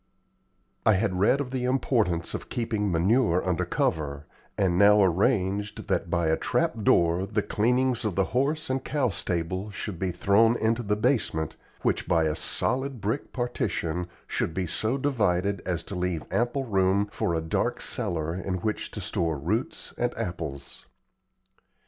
I had read of the importance of keeping manure under cover, and now arranged that by a trap door the cleanings of the horse and cow stable should be thrown into the basement, which, by a solid brick partition, should be so divided as to leave ample room for a dark cellar in which to store roots and apples.